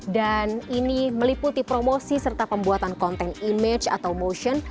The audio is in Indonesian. dan ini meliputi promosi serta pembuatan konten image atau motion